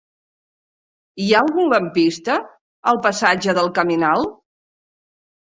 Hi ha algun lampista al passatge del Caminal?